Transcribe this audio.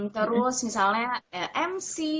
terus misalnya mc